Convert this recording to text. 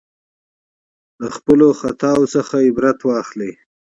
د خپلو تېروتنو څخه عبرت واخلئ.